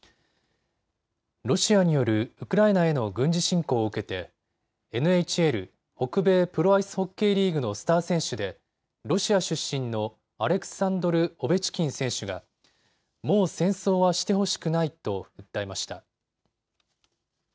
ロシアによるウクライナへの軍事侵攻を受けてＮＨＬ・北米プロアイスホッケーリーグのスター選手でロシア出身のアレクサンドル・オベチキン選手がもう戦争はしてほしくないと訴えました。